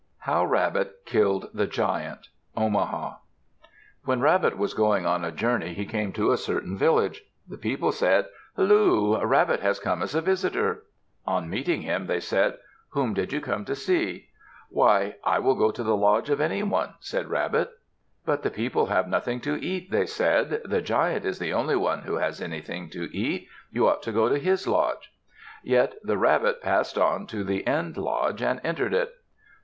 HOW RABBIT KILLED THE GIANT Omaha When Rabbit was going on a journey, he came to a certain village. The people said, "Halloo! Rabbit has come as a visitor." On meeting him, they said, "Whom did you come to see?" "Why, I will go to the lodge of any one," said Rabbit. "But the people have nothing to eat," they said. "The Giant is the only one who has anything to eat. You ought to go to his lodge." Yet, the Rabbit passed on to the end lodge and entered it.